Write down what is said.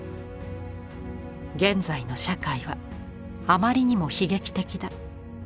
「現在の社会はあまりにも悲劇的だ。